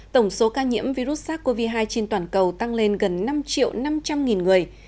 tổng số ca nhiễm virus sars cov hai trên toàn cầu tăng lên gần năm triệu năm trăm linh người